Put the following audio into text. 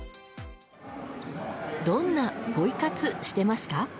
どんなポイ活してますか？